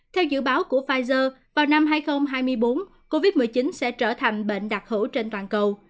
theo dự báo của pfizer vào năm hai nghìn hai mươi bốn covid một mươi chín sẽ trở thành bệnh đặc hữu trên toàn cầu